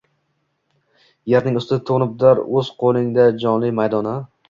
Yerning usti toʻnibdir oʻz qoʻlingla qonli maydona